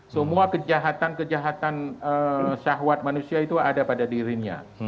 semua kejahatan kejahatan syahwat manusia itu ada pada dirinya